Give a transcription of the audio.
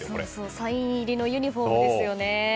サイン入りのユニホームですね。